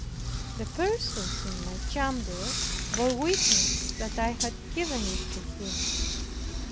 The persons in my chamber bore witness that I had given it to him.